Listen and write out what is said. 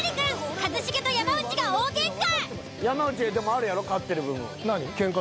一茂と山内が大げんか。